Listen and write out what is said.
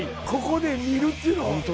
ここで見るっていうのは。